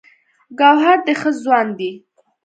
ګوهر ډې ښۀ ځوان دی